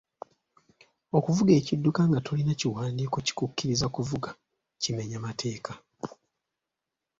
Okuvuga ekidduka nga tolina kiwandiiko kikukkiriza kuvuga kimenya mateeka.